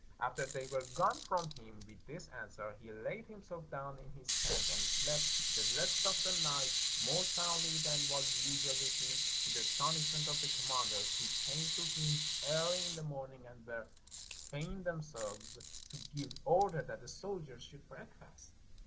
After they were gone from him with this answer, he laid himself down in his tent and slept the rest of the 371 PERSU night more soundly than was usual with him, to the astonishment of the commanders, who came to him early in the morning, and were fain themselves to give order that the soldiers should breakfast.